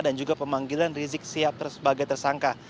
dan juga pemanggilan rizik syihab sebagai tersangka